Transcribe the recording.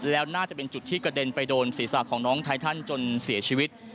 แล้วน่าจะเป็นจุดที่กระเด็นไปโดนศีรษะของน้องไททันจนเสียชีวิต